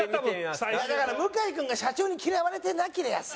だから向井君が社長に嫌われてなけりゃさ。